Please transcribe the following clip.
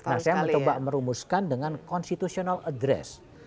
nah saya mencoba merumuskan dengan constitutional address